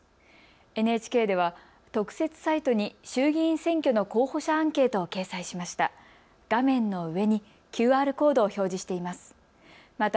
ＮＨＫでは特設サイトに衆議院選挙の候補者アンケートを掲載しました。